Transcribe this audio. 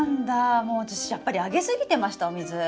もう私やっぱりあげ過ぎてましたお水！